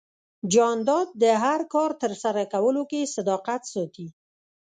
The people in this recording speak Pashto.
جانداد د هر کار ترسره کولو کې صداقت ساتي.